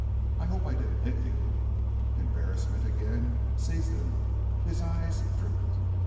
I hope I didn't hit you." Embarrassment again seized him; his eyes drooped.